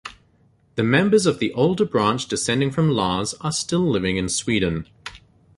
The members of the older branch descending from Lars are still living in Sweden.